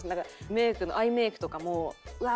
メイクのアイメイクとかもうわー